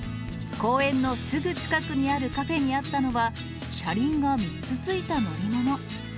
公園のすぐ近くにあるカフェにあったのは、車輪が３つ付いた乗り物。